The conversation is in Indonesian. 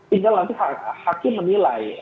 tinggal nanti hakim menilai